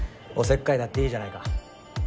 おせっかいだっていいじゃないか。